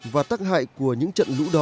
và tắc hại của những trận lũ đó